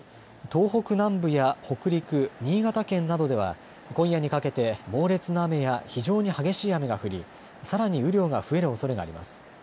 東北南部や北陸、新潟県などでは今夜にかけて猛烈な雨や非常に激しい雨が降り、さらに雨量が増えるおそれがあります。